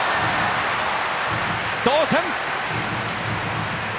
同点！